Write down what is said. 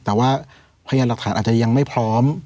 แต่ว่าพยานหลักฐานอาจจะยังไม่พร้อม